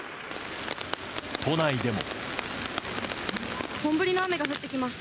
都内でも。